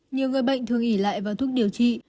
nhiều người bệnh thường ỉ lại vào thuốc điều trị